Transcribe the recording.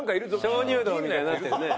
鍾乳洞みたいになってるね。